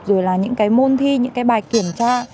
rồi là những môn thi những bài kiểm tra